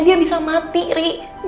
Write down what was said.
dia bisa mati riri